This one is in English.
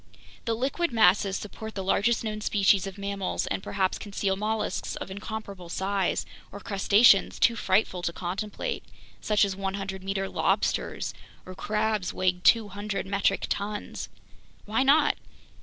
The liquid masses support the largest known species of mammals and perhaps conceal mollusks of incomparable size or crustaceans too frightful to contemplate, such as 100 meter lobsters or crabs weighing 200 metric tons! Why not?